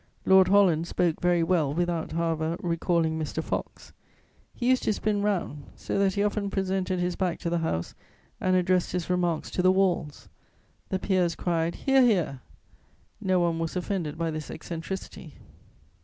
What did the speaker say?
Lord Holland spoke very well, without, however, recalling Mr. Fox. He used to spin round, so that he often presented his back to the House and addressed his remarks to the walls. The peers cried, "Hear, hear!" No one was offended by this eccentricity.